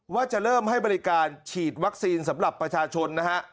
ว่าจะเริ่มให้บริการฉีดวัคซีนสำหรับประชาชนนะฮะ